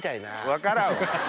分からん。